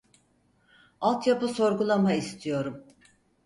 Alt yapı sorgulama istiyorum